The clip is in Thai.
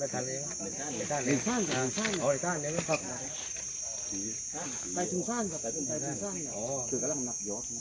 สวัสดีครับคุณผู้ชม